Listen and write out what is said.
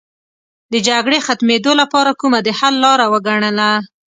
د جګړې ختمېدو لپاره کومه د حل لاره وګڼله.